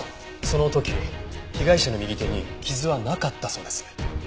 その時被害者の右手に傷はなかったそうです。